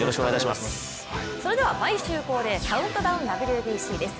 毎週恒例「カウントダウンＷＢＣ」です。